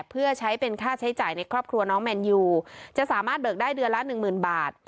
เพื่อใช้เป็นค่าใช้จ่ายในครอบครัวน้องแมนยูจะสามารถเบิกได้เดือนละหนึ่งหมื่นบาท